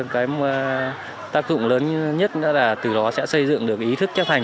công tác dụng lớn nhất là từ đó sẽ xây dựng được ý thức chấp hành